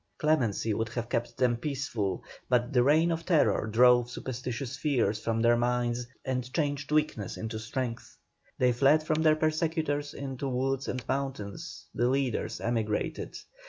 Clemency would have kept them peaceful, but the reign of terror drove superstitious fears from their minds, and changed weakness into strength. They fled from their persecutors into the woods and mountains; the leaders emigrated.